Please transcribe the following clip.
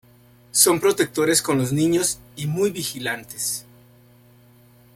Son protectores con los niños y muy vigilantes.